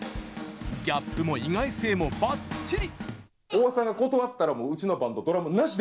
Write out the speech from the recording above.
ギャップも意外性も、ばっちり。